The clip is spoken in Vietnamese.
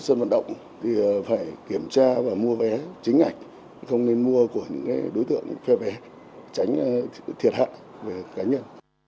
sơn hoạt động thì phải kiểm tra và mua vé chính ảnh không nên mua của những đối tượng phê vé tránh thiệt hạn về cá nhân